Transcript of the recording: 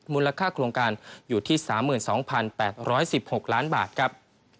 มูลค่าโครงการอยู่ที่๓๒๘๑๖ล้านบาทครับ